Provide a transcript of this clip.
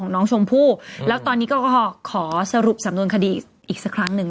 น้องชมพู่แล้วตอนนี้ก็ขอสรุปสำนวนคดีอีกสักครั้งหนึ่ง